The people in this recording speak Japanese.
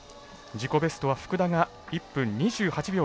自己ベストは福田が１分２８秒５２。